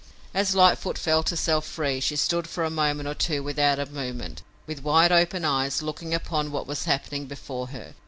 As Lightfoot felt herself free she stood for a moment or two without a movement, with wide open eyes, looking upon what was happening before her.